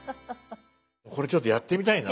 これちょっとやってみたいな。